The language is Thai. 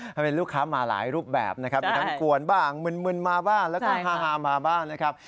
ถ้าเป็นลูกค้ามาหลายรูปแบบนะครับมีทั้งกวนบ้างมึนมาบ้างแล้วก็ฮามาบ้างนะครับ